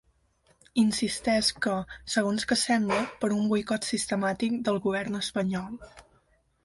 Insistesc que, segons que sembla, per un boicot sistemàtic del govern espanyol.